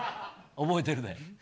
覚えてるで。